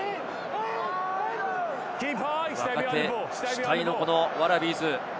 若手主体のワラビーズ。